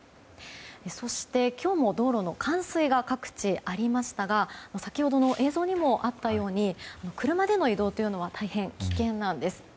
そして、今日も道路の冠水が各地でありましたが先ほどの映像にもあったように車での移動は大変危険なんです。